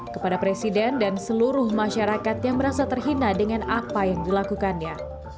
kepada presiden dan seluruh masyarakat yang merasa terhina dengan apa yang dilakukannya